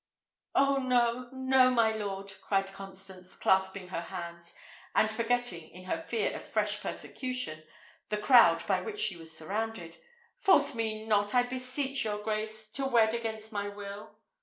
"Oh, no, no, my lord!" cried Constance, clasping her hands, and forgetting, in her fear of fresh persecution, the crowd by which she was surrounded. "Force me not, I beseech your grace, to wed against my will."